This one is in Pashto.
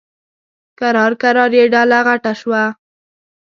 کرار کرار یې ډله غټه شوه.